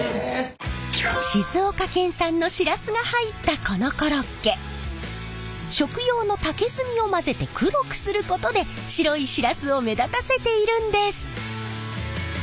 静岡県産のシラスが入ったこのコロッケ食用の竹炭を混ぜて黒くすることで白いシラスを目立たせているんです！